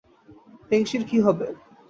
ফেং-শির কী হবে?